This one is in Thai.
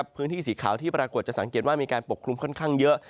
พื้นที่สีขาวที่ปรากฏจะสังเกตว่ามีการปกคลุมค่อนข้างเยอะ